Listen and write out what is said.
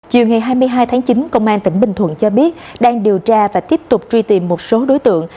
chiều ngày hai mươi hai tháng chín công an tỉnh bình thuận cho biết đang điều tra và tiếp tục truy tìm một số đối tượng